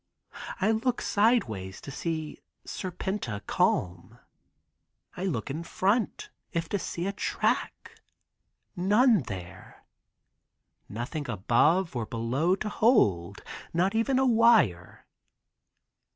I look sideways to see Serpenta calm. I look in front, if to see a track, none there. Nothing above or below to hold, not even a wire.